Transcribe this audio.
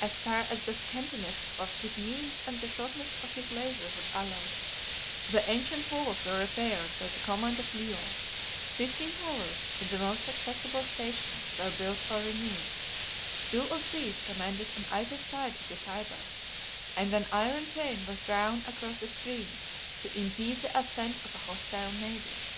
As far as the scantiness of his means and the shortness of his leisure would allow, the ancient walls were repaired by the command of Leo; fifteen towers, in the most accessible stations, were built or renewed; two of these commanded on either side of the Tyber; and an iron chain was drawn across the stream to impede the ascent of a hostile navy.